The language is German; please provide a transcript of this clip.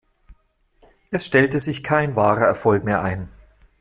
Es stellte sich kein wahrer Erfolg mehr ein.